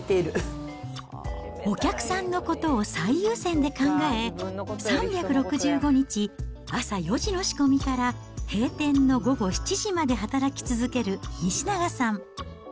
お客さんのことを最優先で考え、３６５日、朝４時の仕込みから、閉店の午後７時まで働き続ける西永さん。